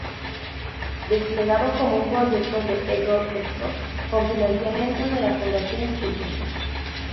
Desplegado como un proyecto de Eagle Scout, con financiamiento de la Fundación Chilton.